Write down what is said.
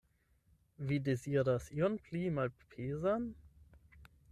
Vi deziras ion pli malpezan?